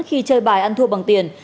khi chơi bài ăn thua bằng tiền